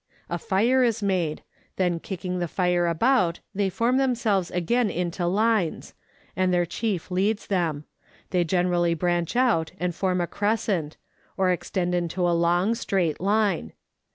A fire is made ; then kicking the fire about they form themselves again into lines, and their chief leads them ; they generally branch out and form a crescent, or extend into a long straight line.